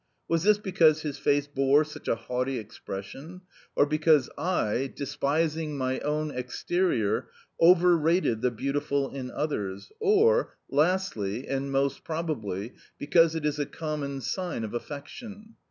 Was this because his face bore such a haughty expression, or because I, despising my own exterior, over rated the beautiful in others, or, lastly (and most probably), because it is a common sign of affection?